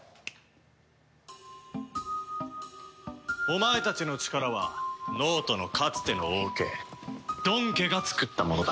お前たちの力は脳人のかつての王家ドン家が作ったものだ。